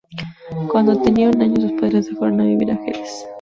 Cuando tenía un año sus padres se fueron a vivir a Jerez.